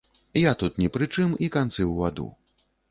Я тут ні пры чым, і канцы ў ваду.